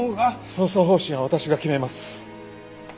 捜査方針は私が決めます。